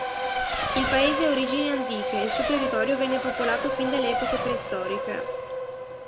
Il paese ha origini antiche, il suo territorio venne popolato fin dalle epoche preistoriche.